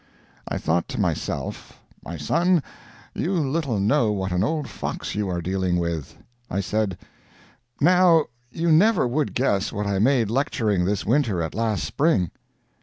I thought to myself, My son, you little know what an old fox you are dealing with. I said: "Now you never would guess what I made lecturing this winter and last spring?"